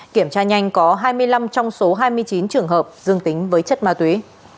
kiểm tra nhanh có hai mươi năm trong số hai mươi chín trường hợp dương tính với chất ma túy